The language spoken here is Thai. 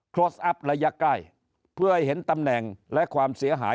อัพระยะใกล้เพื่อให้เห็นตำแหน่งและความเสียหาย